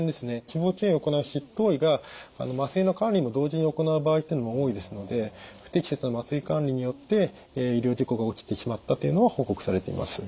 脂肪吸引を行う執刀医が麻酔の管理も同時に行う場合というのも多いですので不適切な麻酔管理によって医療事故が起きてしまったというのは報告されています。